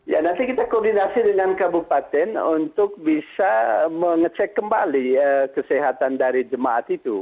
ya nanti kita koordinasi dengan kabupaten untuk bisa mengecek kembali kesehatan dari jemaat itu